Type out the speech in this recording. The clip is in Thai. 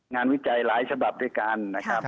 งานวิจัยหลายฉบับด้วยกัน